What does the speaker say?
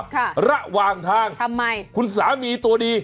ค่ะทำไมระวางทางคุณสามีตัวดี